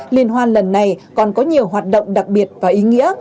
liên hoan lần này còn có nhiều hoạt động đặc biệt và ý nghĩa